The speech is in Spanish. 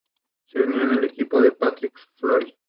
Su nombre se debe a que se encuentra debajo de la plaza homónima.